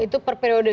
itu per periode